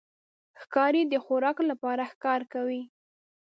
ښکاري د خوراک لپاره ښکار کوي.